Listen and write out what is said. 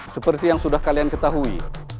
seperti yang sudah kalian ketahui